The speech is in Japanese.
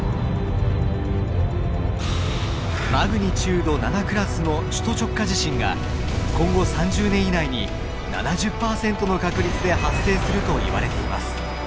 マグニチュード７クラスの首都直下地震が今後３０年以内に７０％の確率で発生するといわれています。